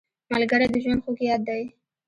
ملګری د ژوند خوږ یاد دی